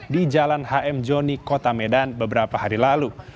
di jalan hm joni kota medan beberapa hari lalu